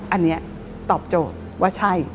อันนี้ตอบโจทย์ว่าใช่